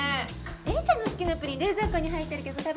衿ちゃんの好きなプリン冷蔵庫に入ってるけど食べる？